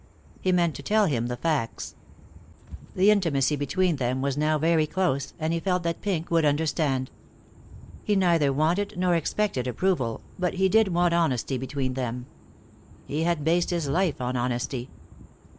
He meant to tell him the facts. The intimacy between them was now very close, and he felt that Pink would understand. He neither wanted nor expected approval, but he did want honesty between them. He had based his life on honesty.